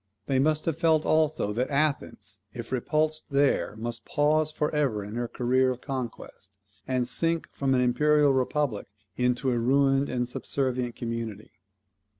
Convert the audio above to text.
They must have felt also that Athens, if repulsed there, must pause for ever in her career of conquest, and sink from an imperial republic into a ruined and subservient community.